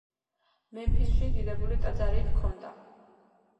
მემფისში დიდებული ტაძარი ჰქონდა.